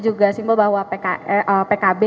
juga simbol bahwa pkb